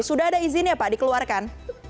sudah ada izinnya pak dikeluarkan